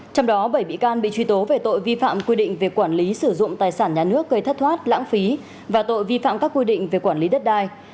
trong đó bảy bị can bị truy tố về tội vi phạm quy định về quản lý sử dụng tài sản nhà nước gây thất thoát lãng phí và tội vi phạm các quy định về quản lý đất đai